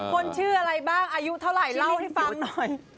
คนชื่ออะไรบ้างอายุเท่าไหร่เล่าให้ฟังหน่อย